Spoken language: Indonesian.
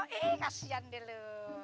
kasian deh lu